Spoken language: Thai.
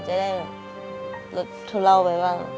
หรือทุเลาไปบ้าง